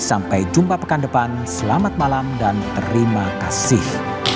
sampai jumpa pekan depan selamat malam dan terima kasih